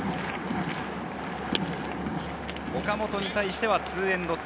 岡本に対しては２−２。